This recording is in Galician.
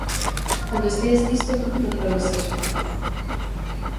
Cando esteas listo, por que non probas iso?